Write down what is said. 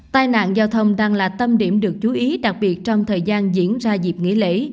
tai nạn giao thông đang là tâm điểm được chú ý đặc biệt trong thời gian diễn ra dịp nghỉ lễ